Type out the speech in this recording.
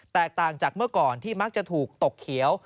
แตกต่างจากเมื่อก่อนที่มักจะถูกตกเขียว